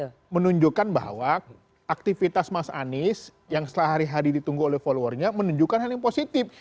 itu menunjukkan bahwa aktivitas mas anies yang setelah hari hari ditunggu oleh followernya menunjukkan hal yang positif